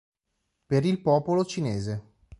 Per il popolo cinese.